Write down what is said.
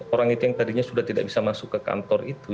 orang itu yang tadinya sudah tidak bisa masuk ke kantor itu